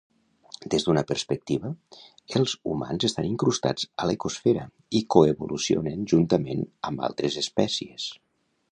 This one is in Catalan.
Des d'una perspectiva, els humans estan incrustats a l'ecosfera i coevolucionen juntament amb altres espècies.